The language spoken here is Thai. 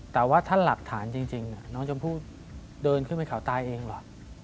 แต่ว่าถ้าหลักฐานจริงน้องชมพู่เดินขึ้นไปเขาตายเองเหรอ